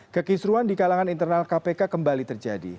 kekisruan di kalangan internal kpk kembali terjadi